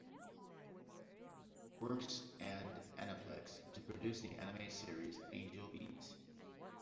Works and Aniplex to produce the anime series Angel Beats!